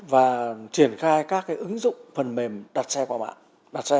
và triển khai các ứng dụng phần mềm đặt xe qua mạng